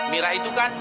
mira itu kan